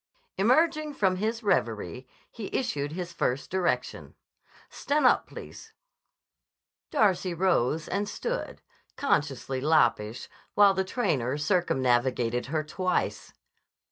Emerging from his reverie he issued his first direction. "Stannup, please." Darcy rose and stood, consciously loppish, while the trainer circumnavigated her twice.